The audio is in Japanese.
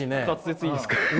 滑舌いいですか？